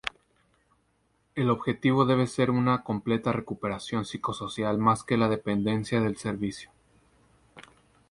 El objetivo debe ser una completa recuperación psicosocial más que la dependencia del servicio.